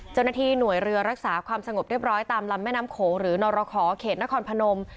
เจ้าหน้าที่หน่วยเรือรักษาความสงบเรียบร้อยตามลำแม่น้ำโขงหรือนรขอเขตนครพนม